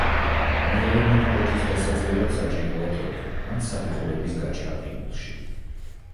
მეორე მონაკვეთის დასაძლევად საჭიროა თოკი ან საფეხურების გაჭრა ყინულში.